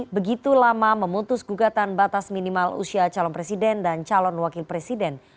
begitu lama memutus gugatan batas minimal usia calon presiden dan calon wakil presiden